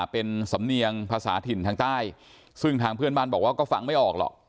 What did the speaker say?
เป็นสำเนียงภาษาถิ่นทางใต้ซึ่งทางเพื่อนบ้านบอกว่าก็ฟังไม่ออกหรอก